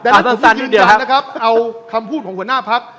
แต่ถ้าคุณยืนอย่างนั้นนะครับเอาคำพูดของหัวหน้าพักร์